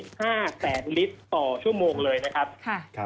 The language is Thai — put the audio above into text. ๕แสนลิตรต่อชั่วโมงเลยนะครับ